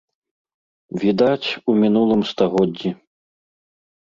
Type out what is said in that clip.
Відаць, у мінулым стагоддзі.